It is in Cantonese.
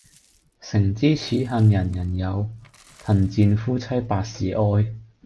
誠知此恨人人有，貧賤夫妻百事哀。